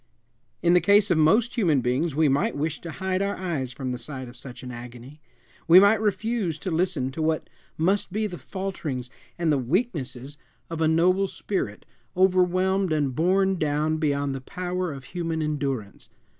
In the case of most human beings we might wish to hide our eyes from the sight of such an agony; we might refuse to listen to what must be the falterings and the weaknesses of a noble spirit overwhelmed and borne down beyond the power of human endurance.